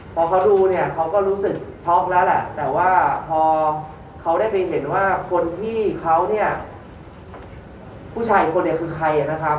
พอเขาดูเนี่ยเขาก็รู้สึกช็อกแล้วแหละแต่ว่าพอเขาได้ไปเห็นว่าคนที่เขาเนี่ยผู้ชายอีกคนเนี่ยคือใครนะครับ